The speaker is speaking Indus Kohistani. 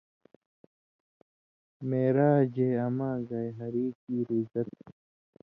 معراجے اماں گائے ہری کیر عزت